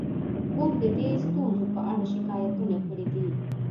موږ د دې ستونزو په اړه شکایتونه کړي دي